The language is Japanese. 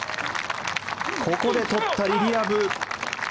ここで取ったリリア・ブ。